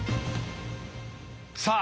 さあ